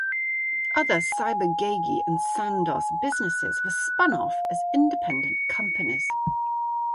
Other Ciba-Geigy and Sandoz businesses were spun off as independent companies.